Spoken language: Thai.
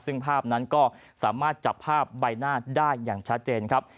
ซึ่งภาพนั้นก็สามารถจับภาพใบหน้าได้อย่างชัดเจนครับ